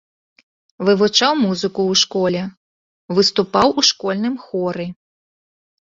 Вывучаў музыку ў школе, выступаў у школьным хоры.